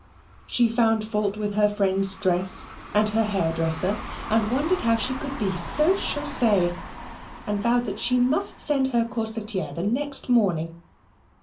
She found fault with her friend's dress, and her hairdresser, and wondered how she could be so chaussee, and vowed that she must send her corsetiere the next morning.